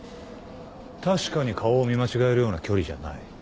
確かに顔を見間違えるような距離じゃない。